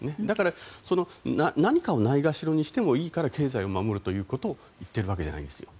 だから、何かをないがしろにしてもいいから経済を守るということを言っているわけではないんです。